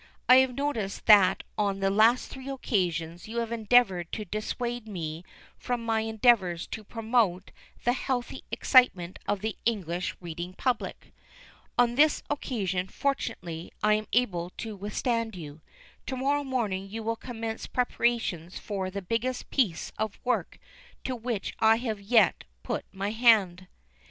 I have noticed that on the last three occasions you have endeavored to dissuade me from my endeavors to promote the healthy excitement of the English reading public. On this occasion fortunately, I am able to withstand you. To morrow morning you will commence preparations for the biggest piece of work to which I have yet put my hand."